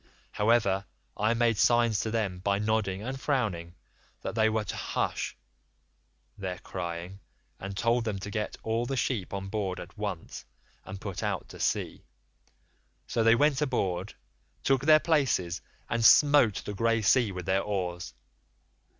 However, I made signs to them by nodding and frowning that they were to hush their crying, and told them to get all the sheep on board at once and put out to sea; so they went aboard, took their places, and smote the grey sea with their oars.